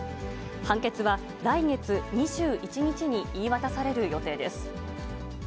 判決は、来月２１日に言い渡される予定です。